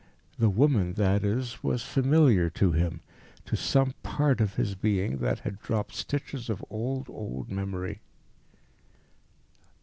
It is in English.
The woman, that is, was familiar to him to some part of his being that had dropped stitches of old, old memory.